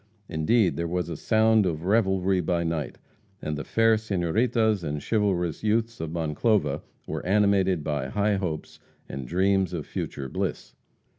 Indeed, "there was a sound of revelry by night," and the fair senoritas and chivalrous youths of Monclova were animated by high hopes and dreams of future bliss.